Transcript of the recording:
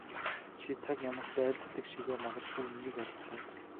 Чи цаг ямагт айлддаг шигээ мадаггүй үнэнийг айлдлаа.